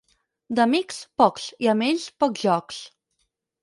D'amics, pocs, i amb ells, pocs jocs.